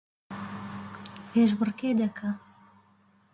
پێشبڕکێ دەکا